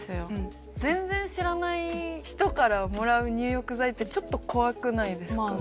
全然知らない人からもらう入浴剤ってちょっと怖くないですか？